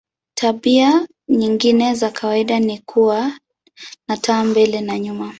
Tabia nyingine za kawaida ni kuwa na taa mbele na nyuma.